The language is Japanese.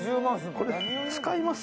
これ使います？